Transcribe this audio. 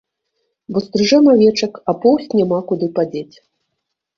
Бо стрыжэм авечак, а поўсць няма куды падзець.